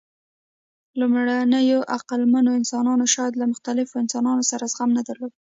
لومړنیو عقلمنو انسانانو شاید له مختلفو انسانانو سره زغم نه درلود.